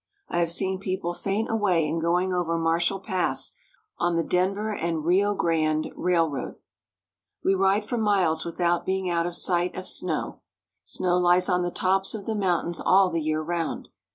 I have seen people faint away in going over Marshall Pass, on the Denver and Rio Grande Railroad. We ride for miles without being out of sight of snow. Snow lies on the tops of the mountains all the year round.